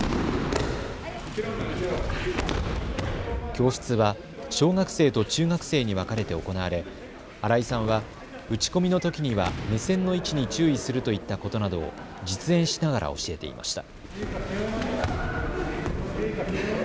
教室は小学生と中学生に分かれて行われ、新井さんは打ち込みのときには目線の位置に注意するといったことなどを実演しながら教えていました。